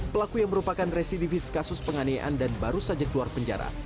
pelaku yang merupakan residivis kasus penganiayaan dan baru saja keluar penjara